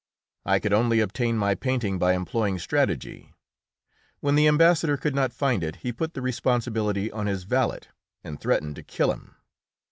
I could only obtain my painting by employing strategy. When the ambassador could not find it he put the responsibility on his valet, and threatened to kill him.